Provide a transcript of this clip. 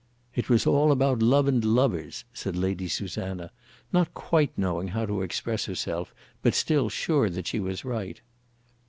"It was all about love and lovers," said Lady Susanna, not quite knowing how to express herself, but still sure that she was right.